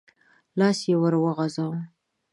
لاس يې ور وغځاوه.